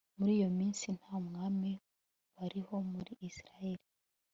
muri iyo minsi, nta mwami wariho muri israheli